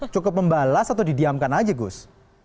cukup membalas atau didiamkan aja gus